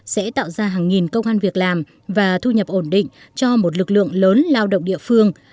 sẽ tạo ra hàng nghìn công an việc làm và thu nhập ổn định cho một lực lượng lớn lao động địa phương